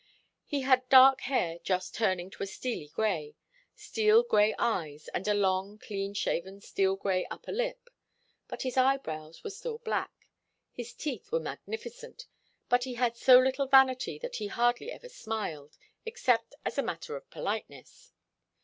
He had dark hair just turning to a steely grey, steel grey eyes, and a long, clean shaven, steel grey upper lip, but his eyebrows were still black. His teeth were magnificent, but he had so little vanity that he hardly ever smiled, except as a matter of politeness.